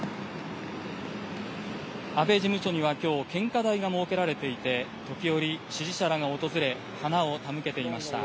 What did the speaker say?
安倍事務所にはきょう、献花台が設けられていて、時折、支持者らが訪れ、花を手向けていました。